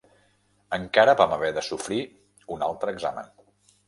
Encara vam haver de sofrir un altre examen.